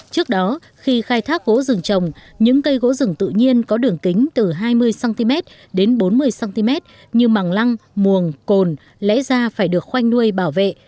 trước đó khi khai thác gỗ rừng trồng những cây gỗ rừng tự nhiên có đường kính từ hai mươi cm đến bốn mươi cm như màng lăng muồng cồn lẽ ra phải được khoanh nuôi bảo vệ